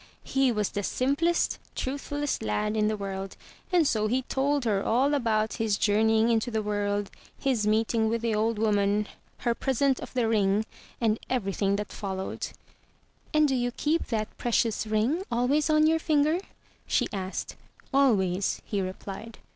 He was the simplest, truthfuUest lad in the world; and so he told her all about his journeying into the world, his meeting with the old woman, her present of the ring, and everything that followed. "And do you keep that precious ring always on your finger?" she asked. "Always!" he replied.